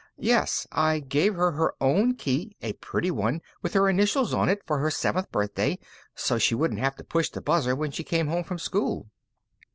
"Yes. I gave her her own key, a pretty one, with her initials on it, for her seventh birthday, so she wouldn't have to push the buzzer when she came home from school."